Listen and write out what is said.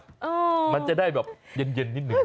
อัดเข้าไปมันจะได้แบบเย็นนิดหนึ่ง